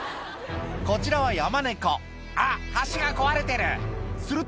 こちらはヤマネコ「あっ橋が壊れてる！」